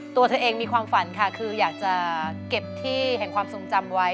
ตัวเธอเองมีความฝันค่ะคืออยากจะเก็บที่แห่งความทรงจำไว้